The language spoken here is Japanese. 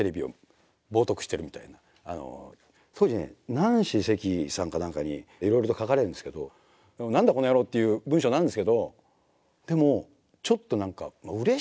ナンシー関さんか何かにいろいろと書かれるんですけど何だこの野郎！っていう文章なんですけどでもちょっと何かうれしいって言ったらあれだけども。